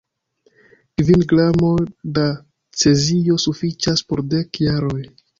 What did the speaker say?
Kvin gramoj da cezio sufiĉas por dek jaroj.